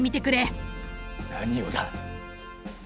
何をだ？